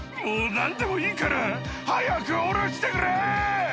もう何でもいいから早くおろしてくれ！